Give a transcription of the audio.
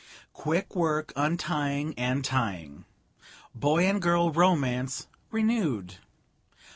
Quick work untying and tying. Boy and girl romance renewed.